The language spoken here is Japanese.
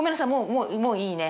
もうもういいね。